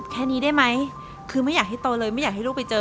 แค่นี้ได้ไหมคือไม่อยากให้โตเลยไม่อยากให้ลูกไปเจอ